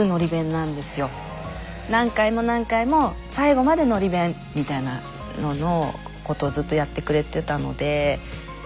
何回も何回も最後までのり弁みたいなののことをずっとやってくれてたのでやっぱのり弁かな。